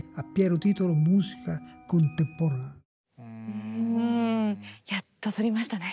うんやっと取りましたね。